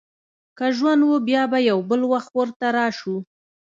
که ژوند و، بیا به یو بل وخت ورته راشو.